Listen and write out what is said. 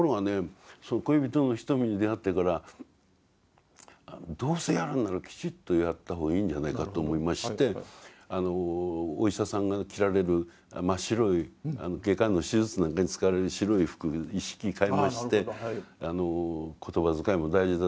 その恋人の瞳に出会ってからどうせやるんならきちっとやった方がいいんじゃないかと思いましてお医者さんが着られる真っ白い外科の手術なんかに使われる白い服一式買いまして言葉遣いも大事だ